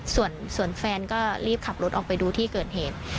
ส่วนแฟนก็รีบขับรถออกไปดูที่เกิดเหตุ